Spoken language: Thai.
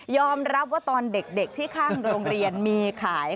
รับว่าตอนเด็กที่ข้างโรงเรียนมีขาย